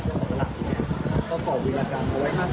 มีศึกในการวัดอายุบด้วยถูกไหม